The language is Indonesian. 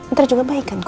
ntar juga baik kan kok